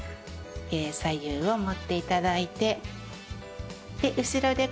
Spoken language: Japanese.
左右を持っていただいて後ろで交差します。